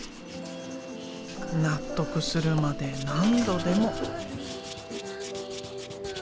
納得するまで何度でも。